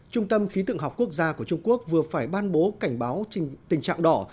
trung tâm khí tượng học quốc gia của trung quốc vừa phải ban bố cảnh báo tình trạng đỏ